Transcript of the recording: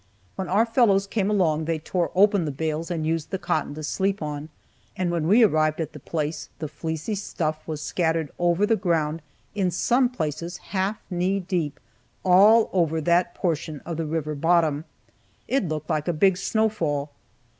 When our fellows came along they tore open the bales and used the cotton to sleep on, and when we arrived at the place the fleecy stuff was scattered over the ground, in some places half knee deep, all over that portion of the river bottom. It looked like a big snowfall.